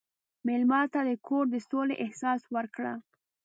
مېلمه ته د کور د سولې احساس ورکړه.